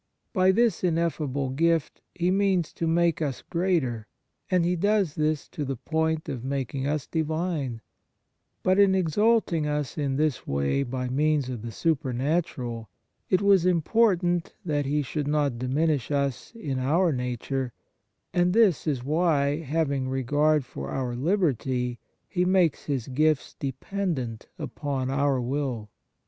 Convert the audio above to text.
By this ineffable gift^3*$e , means to make us greater, and. He does tijis to the point of making us divine ; but in exalting us in this way by means of the super 40 The Nature of Piety natural, it was important that He should not diminish us in our nature, and this is why, having regard for our liberty, He makes His gifts dependent upon our will.